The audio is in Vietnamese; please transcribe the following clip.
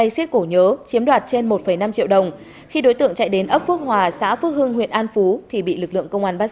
xin chào và hẹn gặp lại trong các bản tin tiếp theo